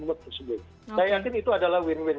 booth tersebut saya yakin itu adalah win win